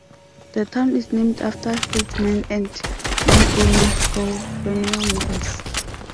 The town is named after statesman and landowner Gouverneur Morris.